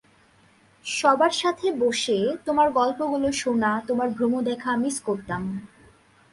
সবার সাথে বসে, তোমার গল্পগুলো শোনা, তোমার ভ্রম দেখা মিস করতাম।